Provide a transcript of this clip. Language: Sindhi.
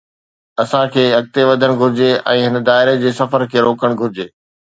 اسان کي اڳتي وڌڻ گهرجي ۽ هن دائري جي سفر کي روڪڻ گهرجي.